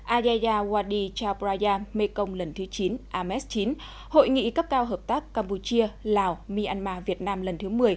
ayaya wadi chao praya mekong lần thứ chín ames chín hội nghị cấp cao hợp tác campuchia lào myanmar việt nam lần thứ một mươi